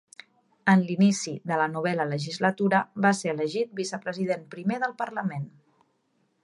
En l'inici de la novena legislatura va ser elegit vicepresident primer del Parlament.